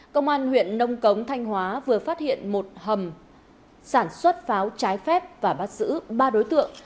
công an huyện nông cống thanh hóa vừa phát hiện một hầm sản xuất pháo trái phép và bắt giữ ba đối tượng